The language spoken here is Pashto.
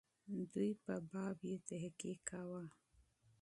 دوی په باب یې تحقیق کاوه.